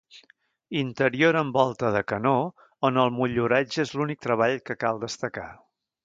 Interior amb volta de canó on el motlluratge és l'únic treball que cal destacar.